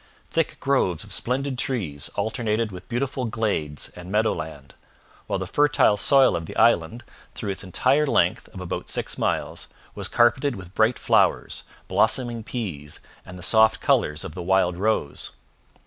Thick groves of splendid trees alternated with beautiful glades and meadow land, while the fertile soil of the island, through its entire length of about six miles, was carpeted with bright flowers, blossoming peas, and the soft colours of the wild rose.